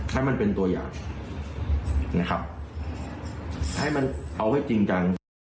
ให้มันเป็นตัวอย่างนะครับให้มันเอาให้จริงจัง